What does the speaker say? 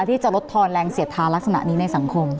ที่จะลดทอนแรงเสียดทาลักษณะนี้ในสังคม